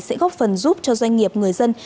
sẽ góp phần giúp cho doanh nghiệp người dân